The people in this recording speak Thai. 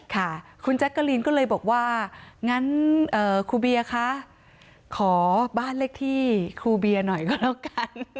ค่ะคุณแจ๊กกะลีนก็เลยบอกว่างั้นครูเบียคะขอบ้านเลขที่ครูเบียร์หน่อยก็แล้วกัน